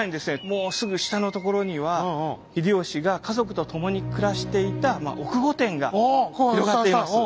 もうすぐ下のところには秀吉が家族と共に暮らしていた奥御殿が広がっています。